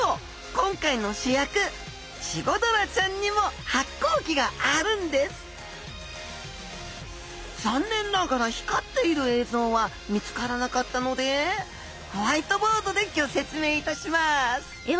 今回の主役チゴダラちゃんにも発光器があるんです残念ながら光っている映像は見つからなかったのでホワイトボードでギョ説明いたします！